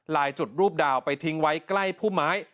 จุดรูปดาวไปทิ้งไว้ใกล้ผู้ไม้